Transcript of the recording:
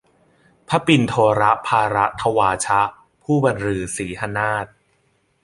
พระปิณโฑลภารทวาชะ ผู้บันลือสีหนาท